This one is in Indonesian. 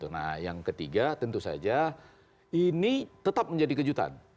nah yang ketiga tentu saja ini tetap menjadi kejutan